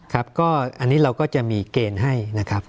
ครับก็อันนี้เราก็จะมีเกณฑ์ให้นะครับ